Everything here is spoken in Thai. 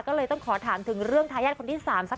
ก็เลยต้องขอถามถึงเรื่องทายาทคนที่๓สัก